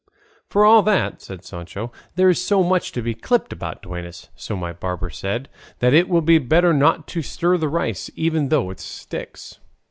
'" "For all that," said Sancho, "there's so much to be clipped about duennas, so my barber said, that 'it will be better not to stir the rice even though it sticks.